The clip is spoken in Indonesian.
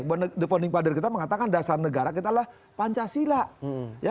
the founding father kita mengatakan dasar negara kita adalah pancasila